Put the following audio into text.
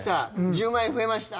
１０万円増えました。